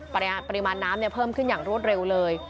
ปริมาณน้ำเพิ่มขึ้นอย่างรวดเร็วเลย